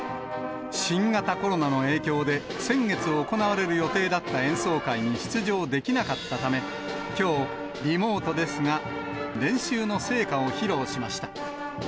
新型コロナの影響で、先月行われる予定だった演奏会に出場できなかったため、きょう、リモートですが、練習の成果を披露しました。